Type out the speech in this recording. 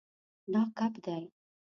دا کب دی